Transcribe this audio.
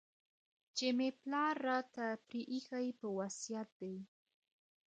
چي مي پلار راته پرې ایښی په وصیت دی